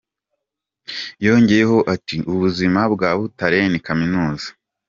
Yongeyeho ati: 'ubuzima bwa Butare ni kaminuza'.